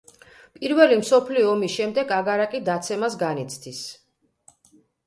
პირველი მსოფლიო ომის შემდეგ აგარაკი დაცემას განიცდის.